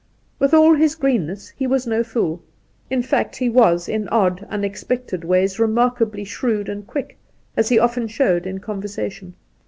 With aU his green ness, he was no fool ; in fact, he was in odd, un expected ways remarkably shrewd and quick, as he often showed in conversation.